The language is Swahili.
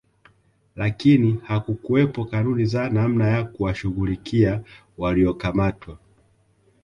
Lakini hakukuwepo kanuni za namna ya kuwashughulikia waliokamatwa